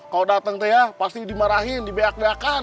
kalau dateng tuh ya pasti dimarahin dibeak beakan